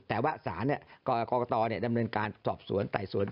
แต่ว่าสารกรกตดำเนินการสอบสวนไต่สวน